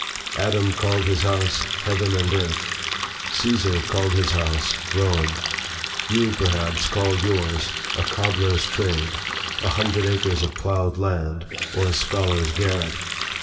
Adam called his house, heaven and earth; Caesar called his house, Rome; you perhaps call yours, a cobler's trade; a hundred acres of ploughed land; or a scholar's garret.